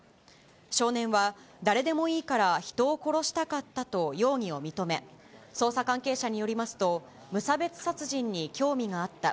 少年は誰でもいいから人を殺したかったと容疑を認め、捜査関係者によりますと、無差別殺人に興味があった。